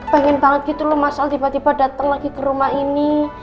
pengen banget gitu loh mas al tiba tiba dateng lagi ke rumah ini